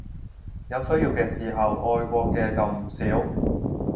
有需要嘅時候愛國嘅就唔少